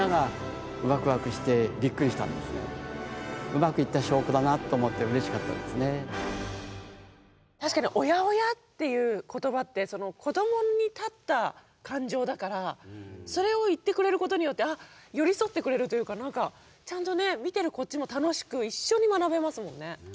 うまくいった証拠だなと思って確かに「おやおや」っていう言葉って子どもに立った感情だからそれを言ってくれることによってあっ寄り添ってくれるというか何かちゃんとね見てるこっちも楽しく一緒に学べますもんね。